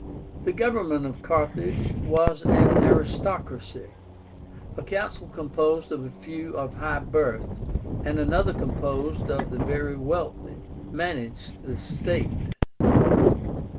The government of Carthage was an ARISTOCRACY. A council composed of a few of high birth, and another composed of the very wealthy, managed the state.